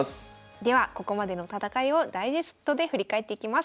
ではここまでの戦いをダイジェストで振り返っていきます。